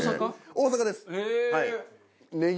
大阪です。